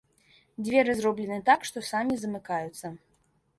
Дзверы зроблены так, што самі замыкаюцца.